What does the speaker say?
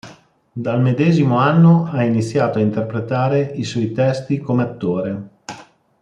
Dal medesimo anno ha iniziato a interpretare i suoi testi come attore.